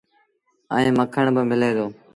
ائيٚݩ مکڻ با ملي دو۔